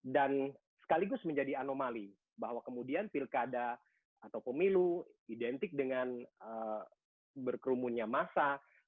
dan sekaligus menjadi anomali bahwa kemudian pilkada atau pemilu identik dengan berkerumunnya masa